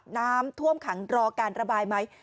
น้ำท่วมขังรอการระบายไหม